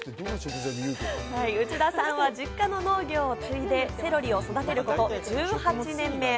内田さんは実家の農業を継いでセロリを育てること１８年目。